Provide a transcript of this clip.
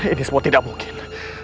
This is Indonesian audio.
ini semua tidak mungkin